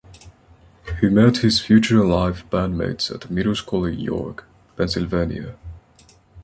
He met his future Live bandmates at middle school in York, Pennsylvania.